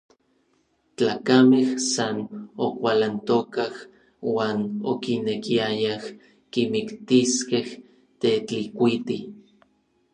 Tlakamej san okualantokaj uan okinekiayaj kimiktiskej Tetlikuiti.